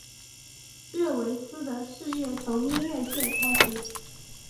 热维斯的事业从音乐界开始。